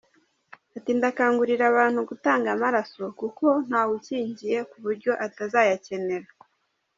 Ati “Ndakangurira abantu gutanga amaraso kuko ntawukingiye ku buryo atazayakenera.